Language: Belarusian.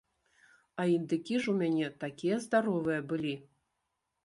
А індыкі ж у мяне такія здаровыя былі!